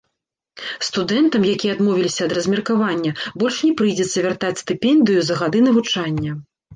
Студэнтам, якія адмовіліся ад размеркавання, больш не прыйдзецца вяртаць стыпендыю за гады навучання.